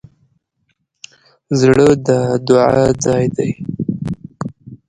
زړه د دعا ځای دی.